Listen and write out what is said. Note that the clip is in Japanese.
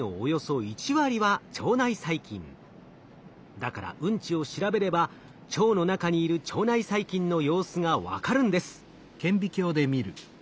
だからうんちを調べれば腸の中にいる腸内細菌の様子が分かるんです。